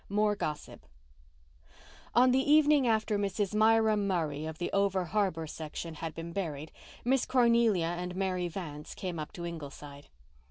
MORE GOSSIP On the evening after Mrs. Myra Murray of the over harbour section had been buried Miss Cornelia and Mary Vance came up to Ingleside.